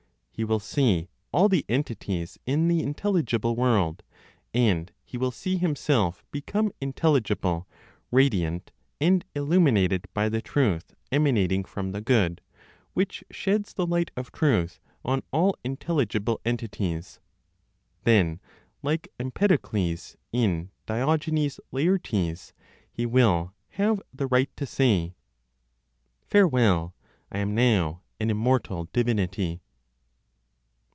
He will see all the entities in the intelligible world, and he will see himself become intelligible, radiant, and illuminated by the truth emanating from the Good, which sheds the light of truth on all intelligible entities. Then (like Empedocles, in Diog. Laertes), he will have the right to say: "Farewell, I am now an immortal divinity."